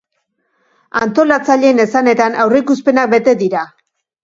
Antolatzaileen esanetan, aurreikuspenak bete dira.